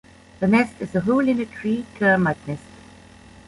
The nest is a hole in a tree termite nest.